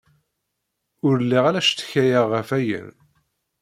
Ur lliɣ ara cetkayeɣ ɣef ayen.